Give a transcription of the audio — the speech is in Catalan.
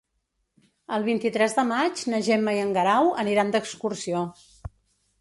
El vint-i-tres de maig na Gemma i en Guerau aniran d'excursió.